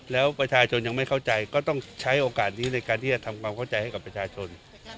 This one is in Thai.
แล้วประชาชนยังไม่เข้าใจก็ต้องใช้โอกาสนี้ในการที่จะทำความเข้าใจให้กับประชาชน